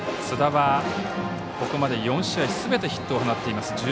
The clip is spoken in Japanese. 津田は、ここまで４試合すべてヒットを放っています。